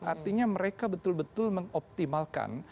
artinya mereka betul betul mengoptimalkan